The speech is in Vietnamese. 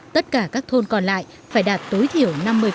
tất cả các thôn còn lại phải đạt tối thiểu năm mươi